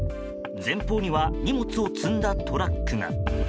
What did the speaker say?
前方には荷物を積んだトラックが。